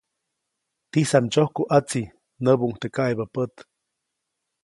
¡Tisam ndsyoku ʼatsi! näbuʼuŋ teʼ kaʼebä pät.